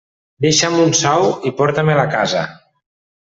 Deixa'm un sou i porta-me'l a casa.